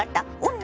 女